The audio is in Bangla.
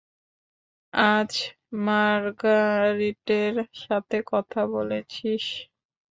আজ মার্গারেটের সাথে কথা বলেছিস?